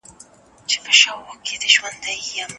سفیران په بهرني سیاست کي څه لټوي؟